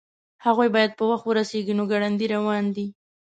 هغوی باید په وخت ورسیږي نو ګړندي روان دي